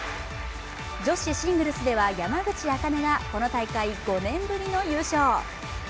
女子シングルスでは山口茜がこの大会５年ぶりの優勝。